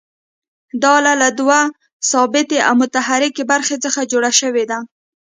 دا آله له دوو ثابتې او متحرکې برخو څخه تشکیل شوې ده.